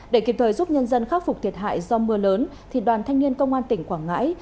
để kịp thời giúp nhân dân khắc phục thiệt hại do mưa lớn đoàn thanh niên công an tỉnh quảng ngãi